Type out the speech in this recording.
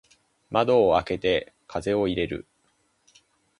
窓を開けて風を入れる。